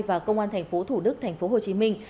và công an thành phố thủ đức thành phố hồ chí minh